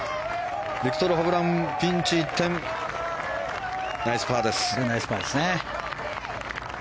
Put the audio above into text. ビクトル・ホブランピンチ一転、ナイスパーです。